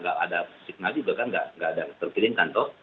kalau pakai kabel tidak ada signal juga kan tidak ada terkirimkan